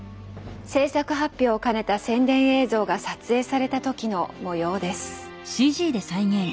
製作発表を兼ねた宣伝映像が撮影された時の模様です。